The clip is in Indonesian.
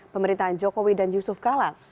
pemerintahan jokowi dan yusuf kala